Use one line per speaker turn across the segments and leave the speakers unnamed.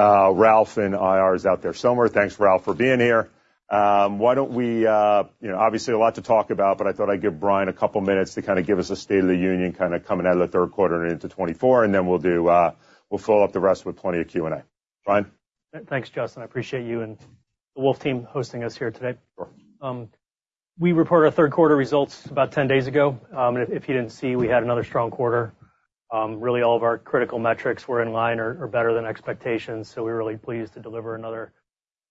Ralph in IR is out there somewhere. Thanks, Ralph, for being here. Why don't we, you know, obviously a lot to talk about, but I thought I'd give Brian a couple minutes to kind of give us a state of the union, kind of coming out of the third quarter and into 2024, and then we'll do, we'll follow up the rest with plenty of Q&A. Brian?
Thanks, Justin. I appreciate you and the Wolfe team hosting us here today.
Sure.
We reported our third quarter results about 10 days ago. And if you didn't see, we had another strong quarter. Really, all of our critical metrics were in line or better than expectations, so we were really pleased to deliver another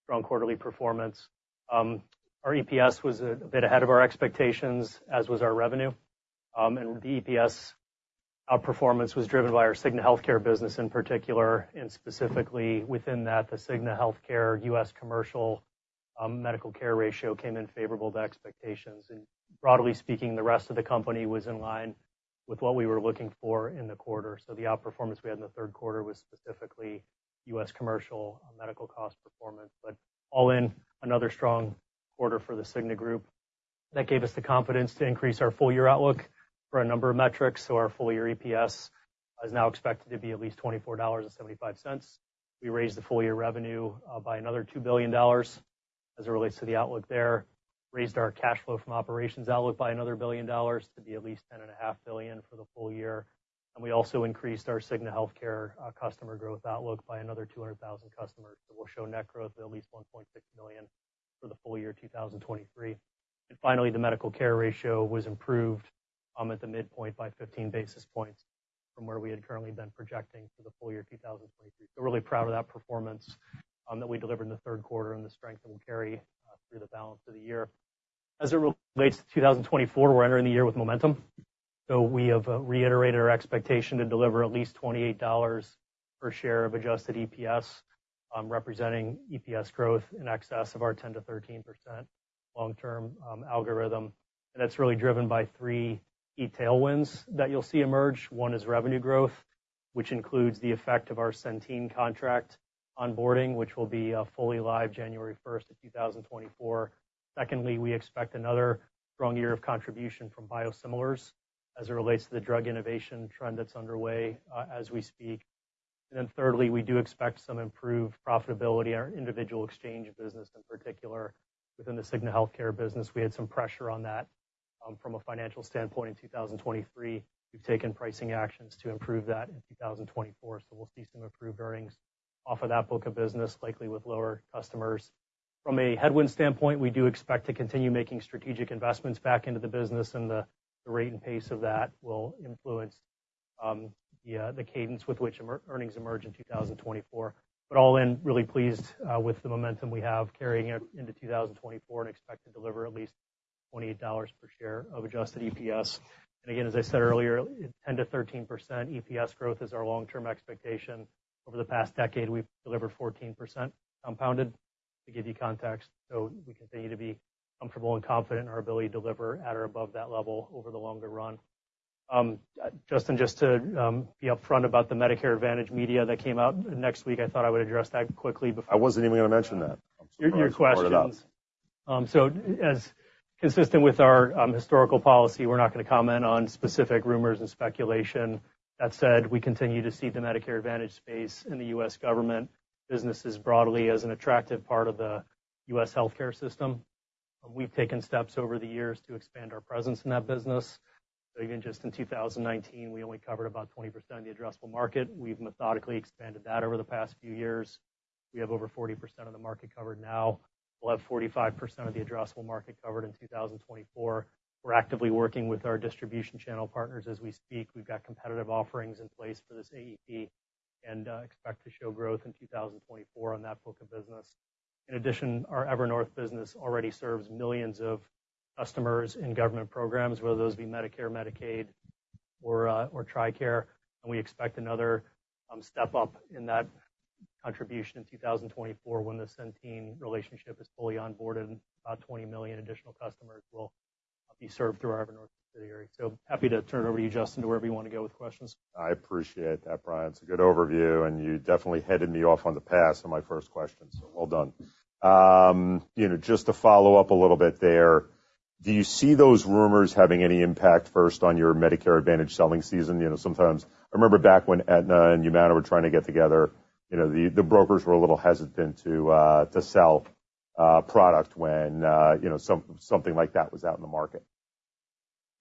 strong quarterly performance. Our EPS was a bit ahead of our expectations, as was our revenue. And the EPS performance was driven by our Cigna Healthcare business in particular, and specifically within that, the Cigna Healthcare U.S. commercial medical care ratio came in favorable to expectations. And broadly speaking, the rest of the company was in line with what we were looking for in the quarter. So the outperformance we had in the third quarter was specifically U.S. commercial medical cost performance, but all in, another strong quarter for The Cigna Group. That gave us the confidence to increase our full-year outlook for a number of metrics. So our full-year EPS is now expected to be at least $24.75. We raised the full-year revenue by another $2 billion as it relates to the outlook there. Raised our cash flow from operations outlook by another $1 billion to be at least $10.5 billion for the full year. And we also increased our Cigna Healthcare customer growth outlook by another 200,000 customers. So we'll show net growth of at least 1.6 million for the full year, 2023. And finally, the medical care ratio was improved at the midpoint by 15 basis points from where we had currently been projecting for the full year, 2023. So really proud of that performance, that we delivered in the third quarter and the strength that we'll carry through the balance of the year. As it relates to 2024, we're entering the year with momentum. So we have reiterated our expectation to deliver at least $28 per share of adjusted EPS, representing EPS growth in excess of our 10%-13% long-term algorithm. And that's really driven by three key tailwinds that you'll see emerge. One is revenue growth, which includes the effect of our Centene contract onboarding, which will be fully live January 1, 2024. Secondly, we expect another strong year of contribution from biosimilars as it relates to the drug innovation trend that's underway, as we speak. And then thirdly, we do expect some improved profitability in our individual exchange business, in particular, within the Cigna Healthcare business. We had some pressure on that from a financial standpoint in 2023. We've taken pricing actions to improve that in 2024, so we'll see some improved earnings off of that book of business, likely with lower customers. From a headwind standpoint, we do expect to continue making strategic investments back into the business, and the rate and pace of that will influence the cadence with which earnings emerge in 2024. But all in, really pleased with the momentum we have carrying it into 2024 and expect to deliver at least $28 per share of adjusted EPS. Again, as I said earlier, 10%-13% EPS growth is our long-term expectation. Over the past decade, we've delivered 14% compounded, to give you context. So we continue to be comfortable and confident in our ability to deliver at or above that level over the longer run. Justin, just to be upfront about the Medicare Advantage media that came out next week, I thought I would address that quickly before—
I wasn't even gonna mention that.
Your question—
Brought it up.
So as consistent with our historical policy, we're not gonna comment on specific rumors and speculation. That said, we continue to see the Medicare Advantage space in the U.S. government businesses broadly as an attractive part of the U.S. healthcare system. We've taken steps over the years to expand our presence in that business. So again, just in 2019, we only covered about 20% of the addressable market. We've methodically expanded that over the past few years. We have over 40% of the market covered now. We'll have 45% of the addressable market covered in 2024. We're actively working with our distribution channel partners as we speak. We've got competitive offerings in place for this AEP and expect to show growth in 2024 on that book of business. In addition, our Evernorth business already serves millions of customers in government programs, whether those be Medicare, Medicaid, or TRICARE, and we expect another step up in that contribution in 2024 when the Centene relationship is fully onboarded, and about 20 million additional customers will be served through our Evernorth subsidiary. So happy to turn it over to you, Justin, to wherever you want to go with questions.
I appreciate that, Brian. It's a good overview, and you definitely headed me off on the pass on my first question, so well done. You know, just to follow up a little bit there, do you see those rumors having any impact, first, on your Medicare Advantage selling season? You know, sometimes—I remember back when Aetna and Humana were trying to get together, you know, the brokers were a little hesitant to sell product when, you know, something like that was out in the market.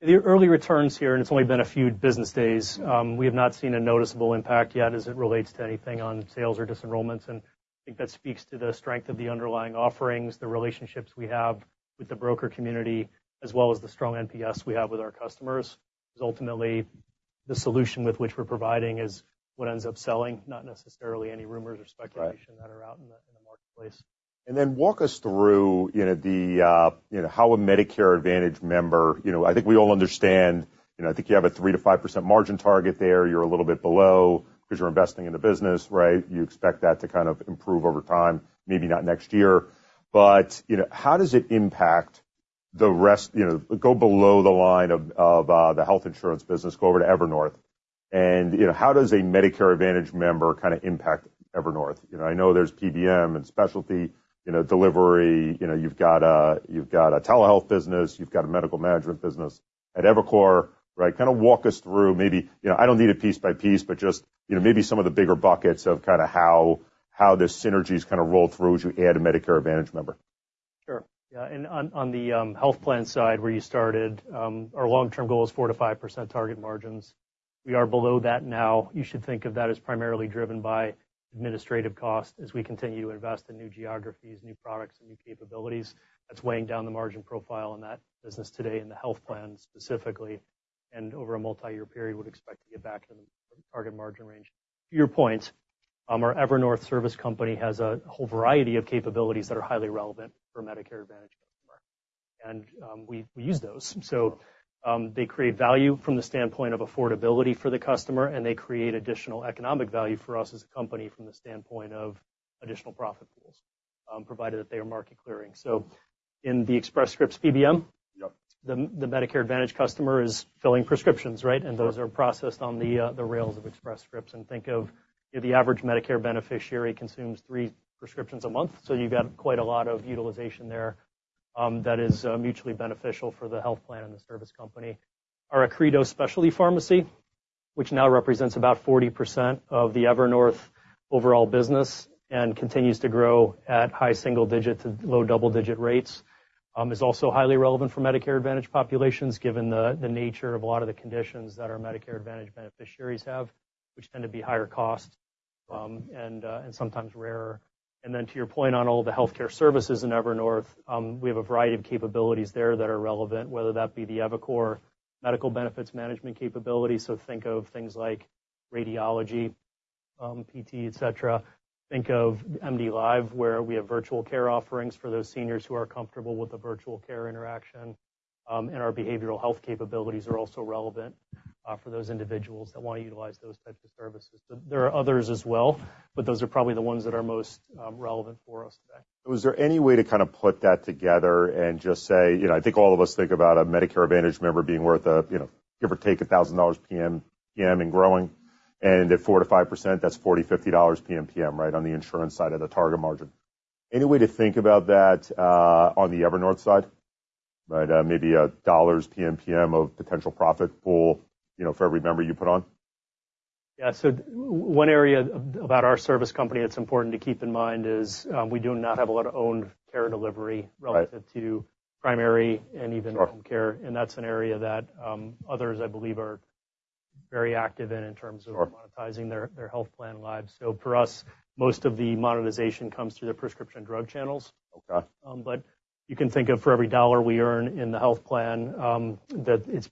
The early returns here, and it's only been a few business days, we have not seen a noticeable impact yet as it relates to anything on sales or disenrollments, and I think that speaks to the strength of the underlying offerings, the relationships we have with the broker community, as well as the strong NPS we have with our customers. Because ultimately, the solution with which we're providing is what ends up selling, not necessarily any rumors or speculation-
Right.
That are out in the, in the marketplace.
And then walk us through, you know, the, you know, how a Medicare Advantage member, you know. I think we all understand, you know. I think you have a 3%-5% margin target there. You're a little bit below because you're investing in the business, right? You expect that to kind of improve over time, maybe not next year, but, you know, how does it impact the rest, you know, go below the line of the health insurance business, go over to Evernorth, and, you know, how does a Medicare Advantage member kind of impact Evernorth? You know, I know there's PBM and specialty, you know, delivery. You know, you've got a telehealth business, you've got a medical management business at EviCore, right? Kind of walk us through maybe, you know, I don't need it piece by piece, but just, you know, maybe some of the bigger buckets of kind of how the synergies kind of roll through as you add a Medicare Advantage member.
Sure. Yeah, and on the health plan side where you started, our long-term goal is 4%-5% target margins. We are below that now. You should think of that as primarily driven by administrative costs, as we continue to invest in new geographies, new products, and new capabilities. That's weighing down the margin profile in that business today, in the health plan specifically, and over a multi-year period, we'd expect to get back to the target margin range. To your point, our Evernorth Health Services company has a whole variety of capabilities that are highly relevant for Medicare Advantage customers, and we use those. So, they create value from the standpoint of affordability for the customer, and they create additional economic value for us as a company from the standpoint of additional profit pools, provided that they are market clearing. So in the Express Scripts PBM-
Yep.
The Medicare Advantage customer is filling prescriptions, right? And those are processed on the rails of Express Scripts. And think of the average Medicare beneficiary consumes three prescriptions a month, so you've got quite a lot of utilization there that is mutually beneficial for the health plan and the service company. Our Accredo specialty pharmacy, which now represents about 40% of the Evernorth overall business and continues to grow at high single-digit to low double-digit rates, is also highly relevant for Medicare Advantage populations, given the nature of a lot of the conditions that our Medicare Advantage beneficiaries have, which tend to be higher cost and sometimes rarer. And then, to your point on all the healthcare services in Evernorth, we have a variety of capabilities there that are relevant, whether that be the EviCore Medical Benefits Management capability. So think of things like radiology, PT, et cetera. Think of MDLIVE, where we have virtual care offerings for those seniors who are comfortable with the virtual care interaction. And our behavioral health capabilities are also relevant, for those individuals that wanna utilize those types of services. There are others as well, but those are probably the ones that are most relevant for us today.
Was there any way to kind of put that together and just say, you know, I think all of us think about a Medicare Advantage member being worth a, you know, give or take $1,000 PMPM and growing, and at 4%-5%, that's $40 PMPM-$50 PMPM, right, on the insurance side of the target margin. Any way to think about that on the Evernorth side? Right, maybe $1 PMPM of potential profit pool, you know, for every member you put on.
Yeah. So one area about our service company that's important to keep in mind is, we do not have a lot of owned care delivery—
Right.
Relative to primary and even home care.
Sure.
That's an area that, others, I believe, are very active in, in terms of—
Sure
Monetizing their health plan lives. So for us, most of the monetization comes through the prescription drug channels.
Okay.
But you can think of for every $1 we earn in the health plan, that it's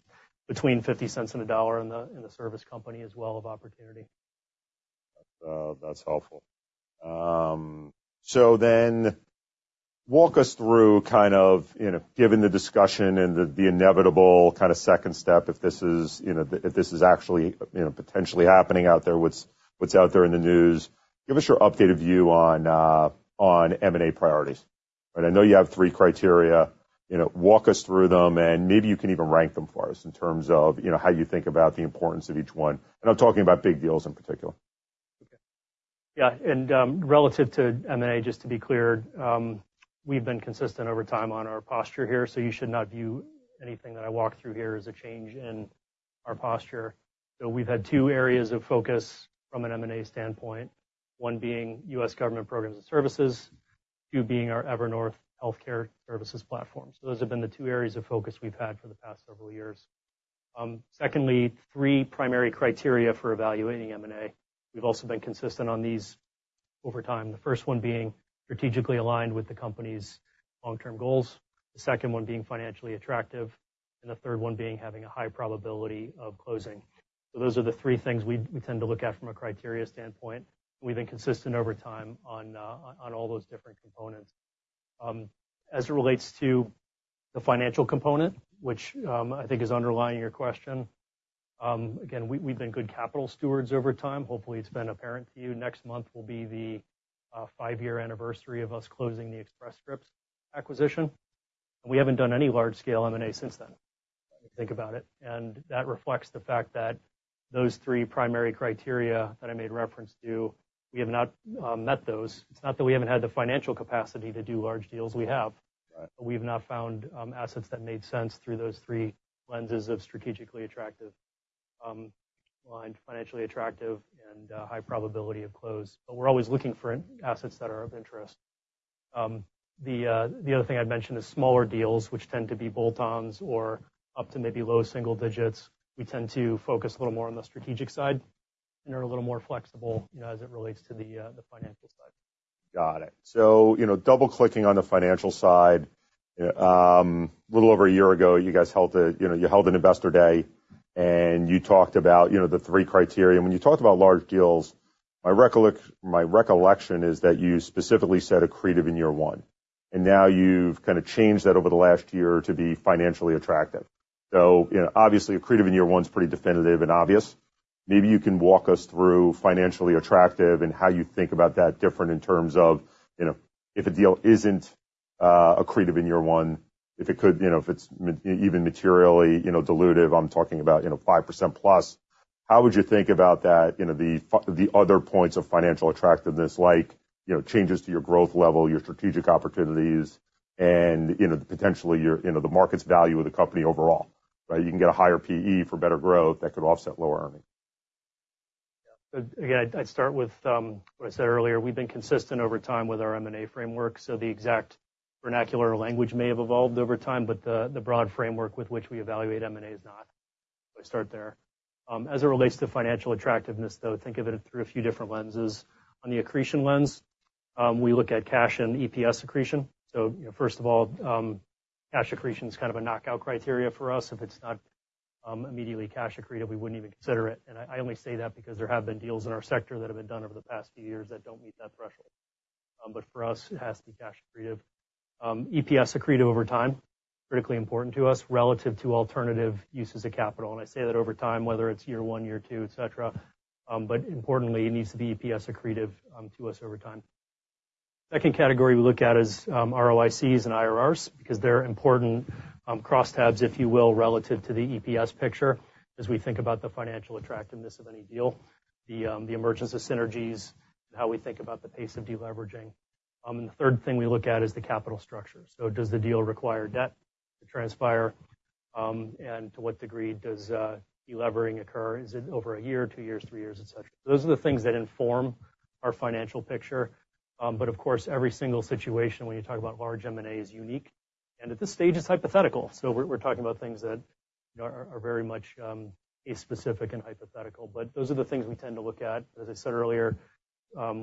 between $0.50 and $1 in the service company as well of opportunity.
That's helpful. So then walk us through kind of, you know, given the discussion and the inevitable kind of second step, if this is, you know, if this is actually, you know, potentially happening out there, what's out there in the news. Give us your updated view on M&A priorities. And I know you have three criteria, you know, walk us through them, and maybe you can even rank them for us in terms of, you know, how you think about the importance of each one. And I'm talking about big deals in particular.
Yeah, and relative to M&A, just to be clear, we've been consistent over time on our posture here, so you should not view anything that I walk through here as a change in our posture. So we've had two areas of focus from an M&A standpoint. One being U.S. government programs and services, two being our Evernorth Healthcare Services platform. So those have been the two areas of focus we've had for the past several years. Secondly, three primary criteria for evaluating M&A. We've also been consistent on these over time. The first one being strategically aligned with the company's long-term goals, the second one being financially attractive, and the third one being having a high probability of closing. So those are the three things we tend to look at from a criteria standpoint. We've been consistent over time on all those different components. As it relates to the financial component, which I think is underlying your question, again, we, we've been good capital stewards over time. Hopefully, it's been apparent to you. Next month will be the five-year anniversary of us closing the Express Scripts acquisition, and we haven't done any large-scale M&A since then, if you think about it. That reflects the fact that those three primary criteria that I made reference to, we have not met those. It's not that we haven't had the financial capacity to do large deals, we have.
Right.
But we've not found assets that made sense through those three lenses of strategically attractive, aligned, financially attractive, and high probability of close. But we're always looking for assets that are of interest. The other thing I'd mention is smaller deals, which tend to be bolt-ons or up to maybe low single digits. We tend to focus a little more on the strategic side and are a little more flexible, you know, as it relates to the financial side.
Got it. So, you know, double-clicking on the financial side, a little over a year ago, you guys held a, you know, you held an Investor Day, and you talked about, you know, the three criteria. When you talked about large deals, my recollection is that you specifically said accretive in year one, and now you've kind of changed that over the last year to be financially attractive. So, you know, obviously, accretive in year one is pretty definitive and obvious. Maybe you can walk us through financially attractive and how you think about that different in terms of, you know, if a deal isn't, accretive in year one, if it could, you know, if it's even materially, you know, dilutive, I'm talking about, you know, 5%+. How would you think about that, you know, the other points of financial attractiveness, like, you know, changes to your growth level, your strategic opportunities, and, you know, potentially your, you know, the market's value of the company overall, right? You can get a higher PE for better growth that could offset lower earnings.
Again, I'd start with what I said earlier. We've been consistent over time with our M&A framework, so the exact vernacular or language may have evolved over time, but the broad framework with which we evaluate M&A has not. I start there. As it relates to financial attractiveness, though, think of it through a few different lenses. On the accretion lens, we look at cash and EPS accretion. So first of all, cash accretion is kind of a knockout criteria for us. If it's not immediately cash accretive, we wouldn't even consider it. And I only say that because there have been deals in our sector that have been done over the past few years that don't meet that threshold. But for us, it has to be cash accretive. EPS accretive over time, critically important to us, relative to alternative uses of capital. I say that over time, whether it's year one, year two, et cetera. But importantly, it needs to be EPS accretive to us over time. Second category we look at is ROICs and IRRs, because they're important cross tabs, if you will, relative to the EPS picture. As we think about the financial attractiveness of any deal, the emergence of synergies, and how we think about the pace of deleveraging. The third thing we look at is the capital structure. Does the deal require debt to transpire? And to what degree does delevering occur? Is it over a year, two years, three years, et cetera? Those are the things that inform our financial picture. But of course, every single situation, when you talk about large M&A, is unique, and at this stage, it's hypothetical. So we're talking about things that are very much case-specific and hypothetical. But those are the things we tend to look at. As I said earlier,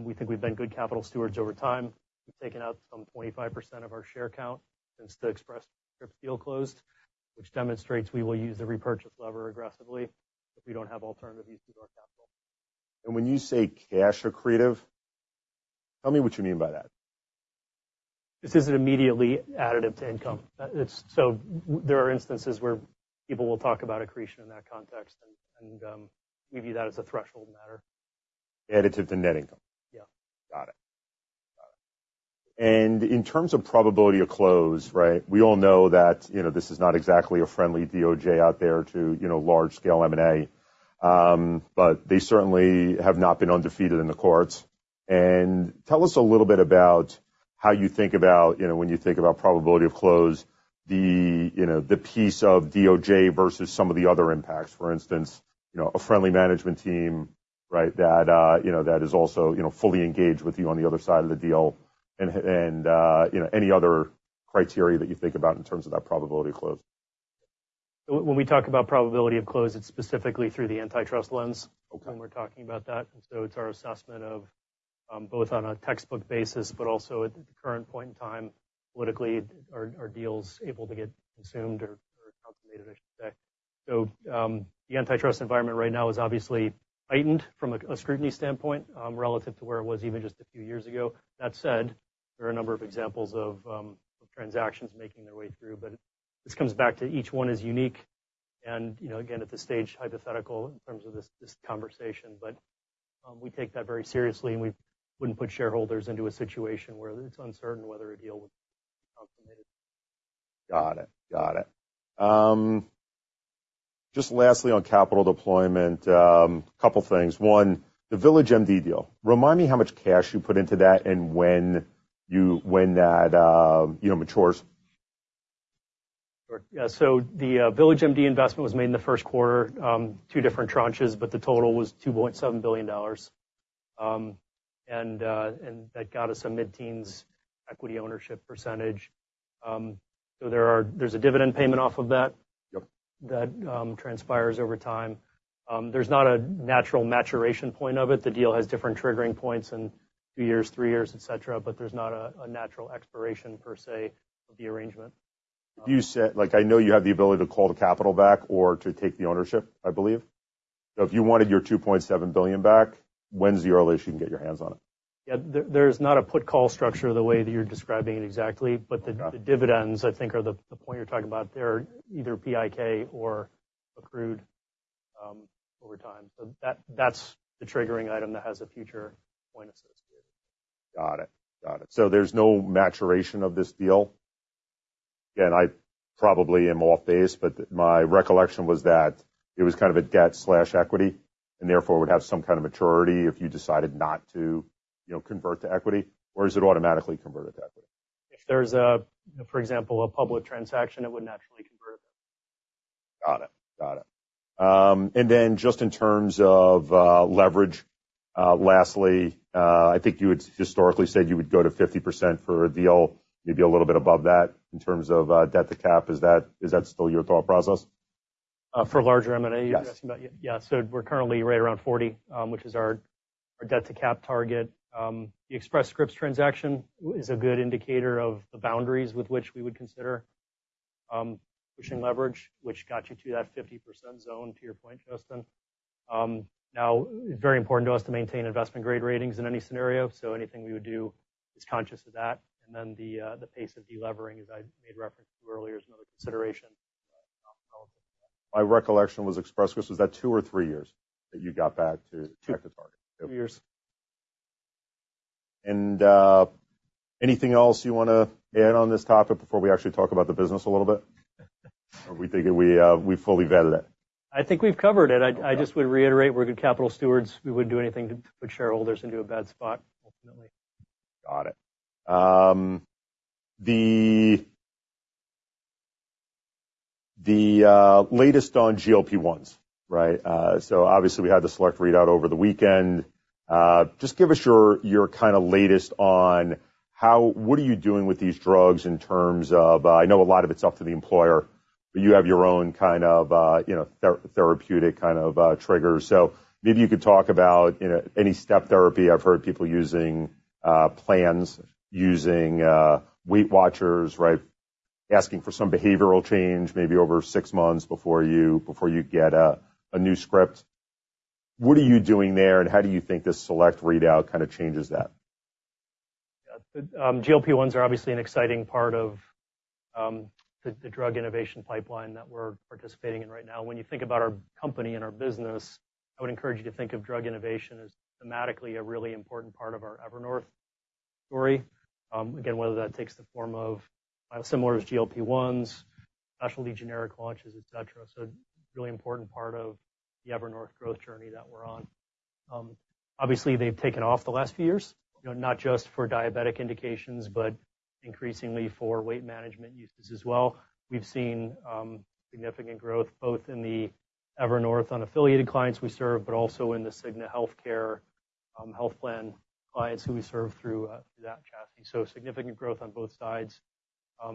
we think we've been good capital stewards over time. We've taken out some 25% of our share count since the Express Scripts deal closed, which demonstrates we will use the repurchase lever aggressively if we don't have alternative uses of our capital.
When you say cash accretive, tell me what you mean by that?
This is immediately additive to income. It's so there are instances where people will talk about accretion in that context, and we view that as a threshold matter.
Additive to net income?
Yeah.
Got it. Got it. And in terms of probability of close, right, we all know that, you know, this is not exactly a friendly DOJ out there to, you know, large-scale M&A. But they certainly have not been undefeated in the courts. And tell us a little bit about how you think about, you know, when you think about probability of close, the, you know, the piece of DOJ versus some of the other impacts. For instance, you know, a friendly management team, right, that, you know, that is also, you know, fully engaged with you on the other side of the deal, and you know, any other criteria that you think about in terms of that probability of close.
When we talk about probability of close, it's specifically through the antitrust lens.
Okay.
When we're talking about that. So it's our assessment of both on a textbook basis, but also at the current point in time, politically, are deals able to get consumed or consummated, I should say? So, the antitrust environment right now is obviously heightened from a scrutiny standpoint, relative to where it was even just a few years ago. That said, there are a number of examples of transactions making their way through, but this comes back to each one is unique. And, you know, again, at this stage, hypothetical in terms of this conversation, but we take that very seriously, and we wouldn't put shareholders into a situation where it's uncertain whether a deal would be consummated.
Got it. Got it. Just lastly, on capital deployment, a couple things. One, the VillageMD deal. Remind me how much cash you put into that and when that, you know, matures?
Sure. Yeah, so the VillageMD investment was made in the first quarter, two different tranches, but the total was $2.7 billion. And that got us a mid-teens equity ownership percentage. So there's a dividend payment off of that—
Yep.
That transpires over time. There's not a natural maturation point of it. The deal has different triggering points in two years, three years, et cetera, but there's not a natural expiration, per se, of the arrangement.
You said—like, I know you have the ability to call the capital back or to take the ownership, I believe. So if you wanted your $2.7 billion back, when's the earliest you can get your hands on it?
Yeah, there, there's not a put call structure the way that you're describing it exactly, but the—
Okay.
The dividends, I think, are the point you're talking about there, either PIK or accrued, over time. So that, that's the triggering item that has a future point associated.
Got it. Got it. So there's no maturation of this deal? And I probably am off base, but my recollection was that it was kind of a debt slash equity, and therefore, would have some kind of maturity if you decided not to, you know, convert to equity, or is it automatically converted to equity?
If there's, for example, a public transaction, it would naturally convert.
Got it. Got it. And then just in terms of leverage, lastly, I think you had historically said you would go to 50% for a deal, maybe a little bit above that in terms of debt to cap. Is that, is that still your thought process?
For larger M&A—
Yes.
You're asking about? Yeah, so we're currently right around 40%, which is our, our debt-to-cap target. The Express Scripts transaction is a good indicator of the boundaries with which we would consider pushing leverage, which got you to that 50% zone, to your point, Justin. Now it's very important to us to maintain investment-grade ratings in any scenario, so anything we would do is conscious of that. And then the, the pace of delevering, as I made reference to earlier, is another consideration.
My recollection was Express Scripts. Was that two or three years that you got back to target?
Two. Two years.
Anything else you want to add on this topic before we actually talk about the business a little bit? Or we figure we fully vetted it.
I think we've covered it.
Okay.
I just would reiterate, we're good capital stewards. We wouldn't do anything to put shareholders into a bad spot, ultimately.
Got it. The latest on GLP-1s, right? So obviously, we had the SELECT readout over the weekend. Just give us your kind of latest on how—what are you doing with these drugs in terms of, I know a lot of it's up to the employer, but you have your own kind of, you know, therapeutic kind of trigger. So maybe you could talk about, you know, any step therapy. I've heard people using plans, using weight watchers, right? Asking for some behavioral change, maybe over six months before you get a new script. What are you doing there, and how do you think this SELECT readout kind of changes that?
Yeah. GLP-1s are obviously an exciting part of the drug innovation pipeline that we're participating in right now. When you think about our company and our business, I would encourage you to think of drug innovation as thematically a really important part of our Evernorth story. Again, whether that takes the form of biosimilars, GLP-1s, specialty, generic launches, et cetera. So a really important part of the Evernorth growth journey that we're on. Obviously, they've taken off the last few years, you know, not just for diabetic indications, but increasingly for weight management uses as well. We've seen significant growth, both in the Evernorth unaffiliated clients we serve, but also in the Cigna Healthcare health plan clients who we serve through that chassis. So significant growth on both sides.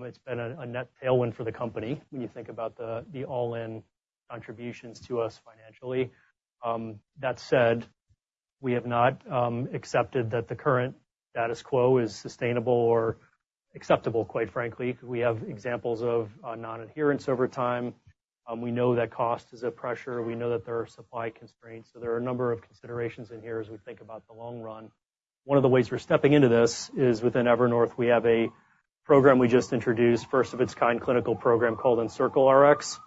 It's been a net tailwind for the company when you think about the all-in contributions to us financially. That said, we have not accepted that the current status quo is sustainable or acceptable, quite frankly, because we have examples of non-adherence over time. We know that cost is a pressure. We know that there are supply constraints, so there are a number of considerations in here as we think about the long run. One of the ways we're stepping into this is within Evernorth, we have a program we just introduced, first of its kind clinical program called EncircleRx,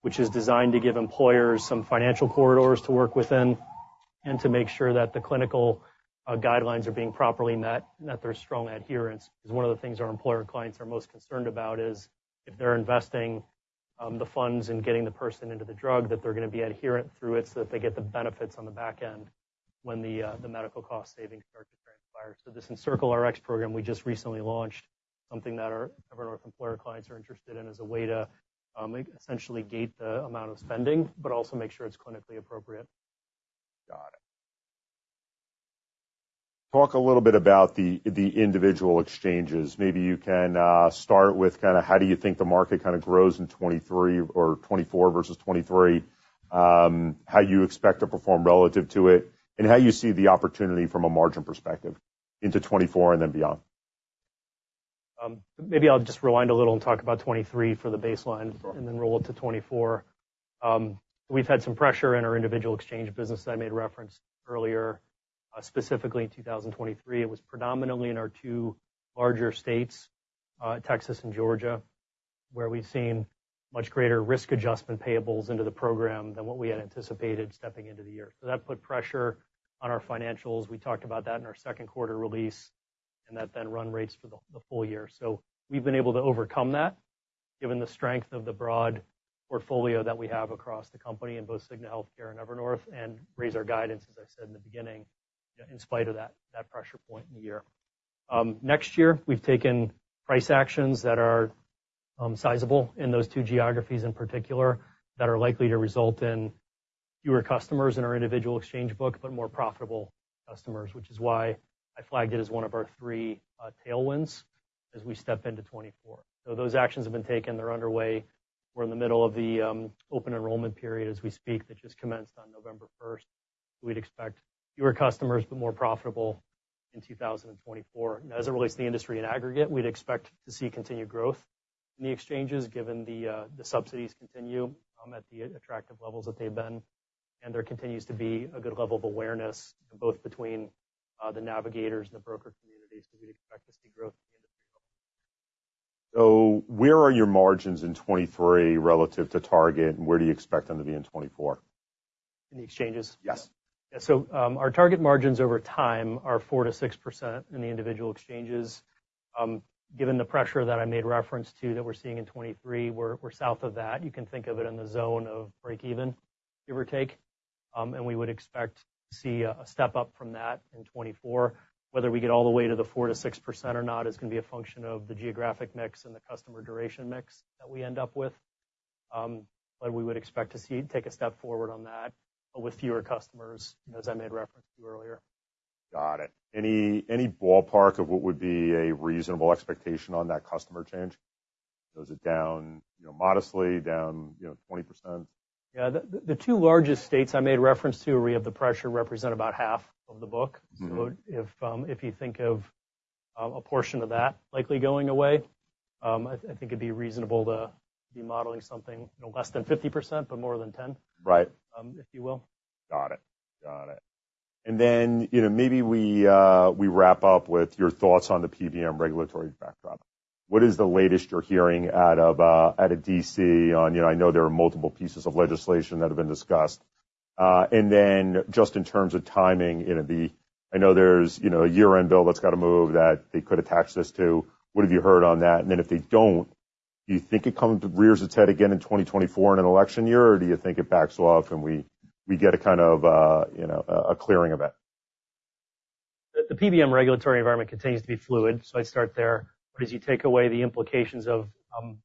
which is designed to give employers some financial corridors to work within and to make sure that the clinical guidelines are being properly met, and that there's strong adherence. Because one of the things our employer clients are most concerned about is if they're investing, the funds in getting the person into the drug, that they're gonna be adherent through it, so that they get the benefits on the back end when the, the medical cost savings start to transpire. So this EncircleRx program we just recently launched, something that our Evernorth employer clients are interested in as a way to, essentially gate the amount of spending, but also make sure it's clinically appropriate.
Got it. Talk a little bit about the individual exchanges. Maybe you can start with kind of how do you think the market kind of grows in 2023 or 2024 versus 2023? How you expect to perform relative to it, and how you see the opportunity from a margin perspective into 2024 and then beyond.
Maybe I'll just rewind a little and talk about 2023 for the baseline.
Sure.
And then roll up to 2024. We've had some pressure in our individual exchange business that I made reference earlier. Specifically in 2023, it was predominantly in our two larger states, Texas and Georgia, where we've seen much greater risk adjustment payables into the program than what we had anticipated stepping into the year. So that put pressure on our financials. We talked about that in our second quarter release, and that then run rates for the full year. So we've been able to overcome that, given the strength of the broad portfolio that we have across the company in both Cigna Healthcare and Evernorth, and raise our guidance, as I said in the beginning, in spite of that pressure point in the year. Next year, we've taken price actions that are sizable in those two geographies in particular, that are likely to result in fewer customers in our individual exchange book, but more profitable customers, which is why I flagged it as one of our three tailwinds as we step into 2024. So those actions have been taken, they're underway. We're in the middle of the open enrollment period as we speak, that just commenced on November 1. We'd expect fewer customers, but more profitable in 2024. As it relates to the industry in aggregate, we'd expect to see continued growth in the exchanges, given the subsidies continue at the attractive levels that they've been. And there continues to be a good level of awareness, both between the navigators and the broker communities, because we'd expect to see growth in the industry.
So where are your margins in 2023 relative to target, and where do you expect them to be in 2024?
In the exchanges?
Yes.
Yeah. So, our target margins over time are 4%-6% in the individual exchanges. Given the pressure that I made reference to, that we're seeing in 2023, we're south of that. You can think of it in the zone of break even, give or take. And we would expect to see a step up from that in 2024. Whether we get all the way to the 4%-6% or not, is gonna be a function of the geographic mix and the customer duration mix that we end up with. But we would expect to see a step forward on that with fewer customers, as I made reference to earlier.
Got it. Any, any ballpark of what would be a reasonable expectation on that customer change? So is it down, you know, modestly, down, you know, 20%?
Yeah. The two largest states I made reference to, where we have the pressure, represent about half of the book. So if you think of a portion of that likely going away, I think it'd be reasonable to be modeling something, you know, less than 50%, but more than 10%.
Right.
If you will.
Got it. Got it. And then, you know, maybe we, we wrap up with your thoughts on the PBM regulatory backdrop. What is the latest you're hearing out of, out of D.C. on—you know, I know there are multiple pieces of legislation that have been discussed. And then, just in terms of timing, you know, the, I know there's, you know, a year-end bill that's got to move that they could attach this to. What have you heard on that? And then if they don't, do you think it comes, rears its head again in 2024 in an election year, or do you think it backs off, and we, we get a kind of, you know, a clearing event?
The PBM regulatory environment continues to be fluid, so I'd start there. But as you take away the implications of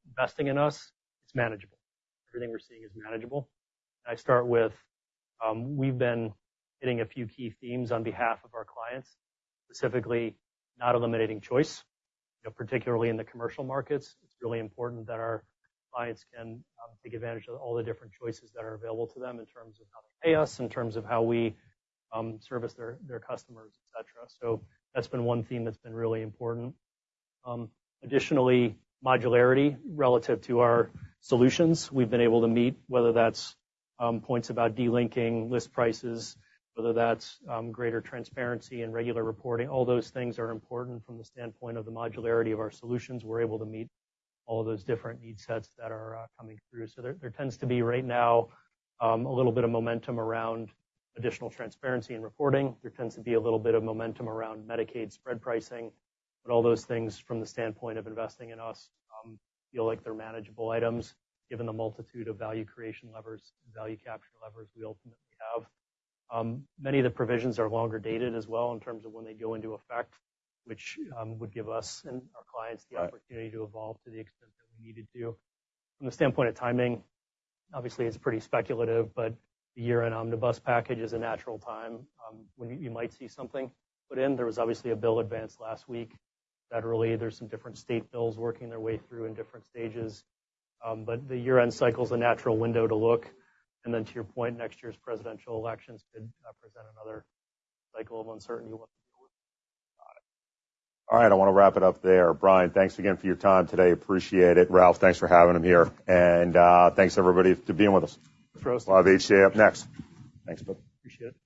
investing in us, it's manageable. Everything we're seeing is manageable. I start with, we've been hitting a few key themes on behalf of our clients, specifically, not eliminating choice. You know, particularly in the commercial markets, it's really important that our clients can take advantage of all the different choices that are available to them in terms of how they pay us, in terms of how we service their customers, et cetera. So that's been one theme that's been really important. Additionally, modularity relative to our solutions, we've been able to meet, whether that's points about delinking list prices, whether that's greater transparency and regular reporting, all those things are important from the standpoint of the modularity of our solutions. We're able to meet all of those different need sets that are coming through. So there tends to be right now a little bit of momentum around additional transparency and reporting. There tends to be a little bit of momentum around Medicaid spread pricing, but all those things, from the standpoint of investing in us, feel like they're manageable items, given the multitude of value creation levers, value capture levers we ultimately have. Many of the provisions are longer dated as well in terms of when they go into effect, which would give us and our clients the opportunity to evolve to the extent that we need to do. From the standpoint of timing, obviously, it's pretty speculative, but the year-end omnibus package is a natural time when you might see something. But then there was obviously a bill advanced last week. Federally, there's some different state bills working their way through in different stages. The year-end cycle is a natural window to look. Then to your point, next year's presidential elections could present another cycle of uncertainty what to deal with.
All right, I wanna wrap it up there. Brian, thanks again for your time today. Appreciate it. Ralph, thanks for having him here. And, thanks, everybody, to being with us. Live HCA up next. Thanks, bud.
Appreciate it.
Great. Thank you.